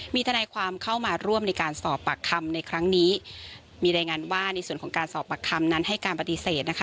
มีทนายความเข้ามาร่วมในการสอบปากคำในครั้งนี้มีรายงานว่าในส่วนของการสอบปากคำนั้นให้การปฏิเสธนะคะ